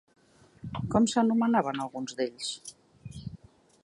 Com s'anomenaven alguns d'ells?